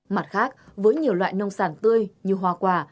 mặt khác với nhiều loại nông sản tươi như hoa quả